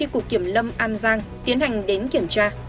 cục kiểm lâm an giang tiến hành đến kiểm tra